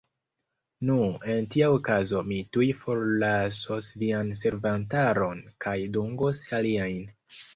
Nu, en tia okazo mi tuj forlasos vian servantaron kaj dungos aliajn.